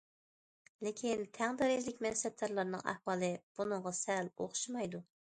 لېكىن، تەڭ دەرىجىلىك مەنسەپدارلارنىڭ ئەھۋالى بۇنىڭغا سەل ئوخشىمايدۇ.